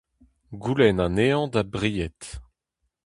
Goulenn anezhañ da bried.